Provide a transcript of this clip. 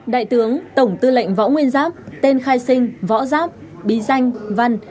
đại tướng tổng tư lệnh võ nguyên giáp tên khai sinh võ giáp bí danh văn